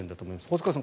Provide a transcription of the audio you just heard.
細川さん